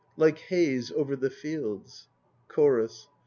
Like haze over the fields. CHORUS.